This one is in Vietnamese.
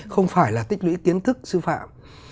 không phải là tích lũy kiến thức sư phạm